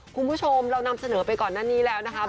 คุณผู้ชมเรานำเสนอไปก่อนหน้านี้แล้วนะคะ